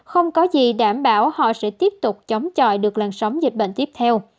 không có gì đảm bảo họ sẽ tiếp tục chống chọi được làn sóng dịch bệnh tiếp theo